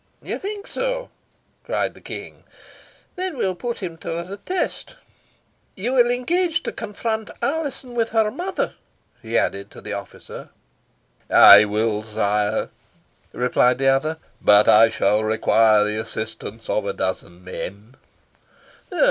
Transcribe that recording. "You think so?" cried the King. "Then we will put him to the test. You will engage to confront Alizon with her mother?" he added, to the officer. "I will, sire," replied the other. "But I shall require the assistance of a dozen men."